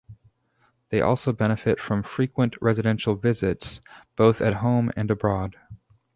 They also benefit from frequent residential visits both at home and abroad.